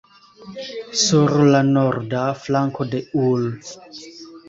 Sur la norda flanko de ul.